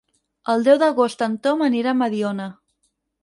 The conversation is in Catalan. El deu d'agost en Tom anirà a Mediona.